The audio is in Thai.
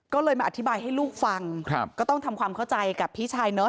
ก็เลยมาอธิบายให้ลูกฟังครับก็ต้องทำความเข้าใจกับพี่ชายเนอะ